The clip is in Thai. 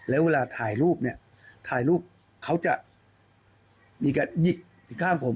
แล้วเวลาถ่ายรูปเนี่ยถ่ายรูปเขาจะมีการหยิกอีกข้างผม